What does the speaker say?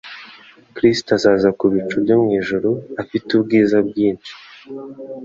Kristo azaza ku bicu byo mu ijuru afite ubwiza bwinshi,